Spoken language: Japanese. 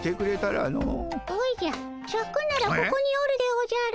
おじゃシャクならここにおるでおじゃる。